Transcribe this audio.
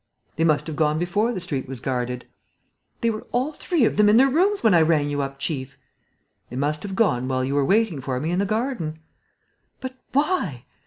"They must have gone before the street was guarded." "They were all three of them in their rooms when I rang you up, chief!" "They must have gone while you were waiting for me in the garden." "But why?